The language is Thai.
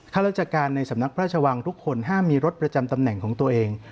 ข้าราชการในสำนักพระราชวังทุกคนห้ามมีรถประจำตำแหน่งของตัวเอง